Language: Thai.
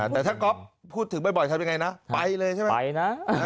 แต่ถ้าก๊อฟพูดถึงบ่อยทำยังไงนะไปเลยใช่ไหมไปนะ